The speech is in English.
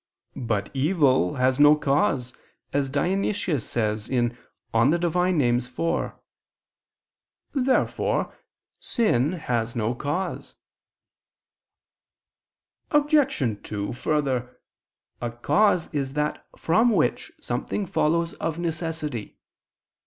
But evil has no cause, as Dionysius says (Div. Nom. iv). Therefore sin has no cause. Obj. 2: Further, a cause is that from which something follows of necessity.